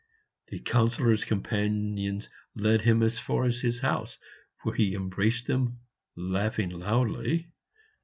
The Councillor's companions led him as far as his house, where he embraced them, laughing loudly.